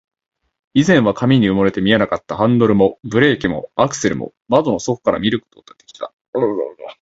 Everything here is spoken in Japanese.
以前は紙に埋もれて見えなかったハンドルも、ブレーキも、アクセルも、窓の外から見ることができた